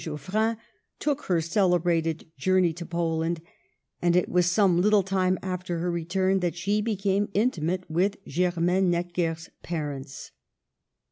Geoff rin took her celebrated journey to Poland, and it was some little time, after her return that she became intimate with Germaine Necker's parents.